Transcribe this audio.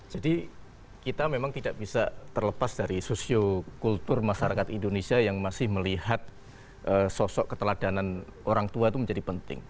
jadi kita memang tidak bisa terlepas dari sosio kultur masyarakat indonesia yang masih melihat sosok keteladanan orang tua itu menjadi penting